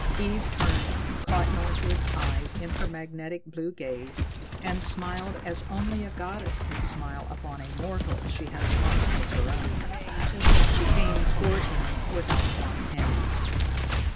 Eve turned, caught Northwood's eyes in her magnetic blue gaze, and smiled as only a goddess can smile upon a mortal she has marked as her own. She came toward him with outflung hands.